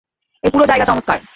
এই পুরো জায়গা চমৎকার।